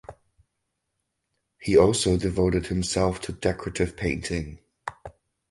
He also devoted himself to decorative painting.